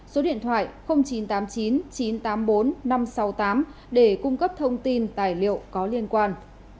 số điện thoại chín trăm tám mươi chín chín trăm tám mươi bốn năm trăm sáu mươi tám để cung cấp thông tin tài liệu có liên quan